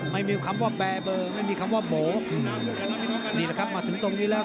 ไม่มีคำว่าแบร์เบอร์ไม่มีคำว่าโบ๋นี่แหละครับมาถึงตรงนี้แล้ว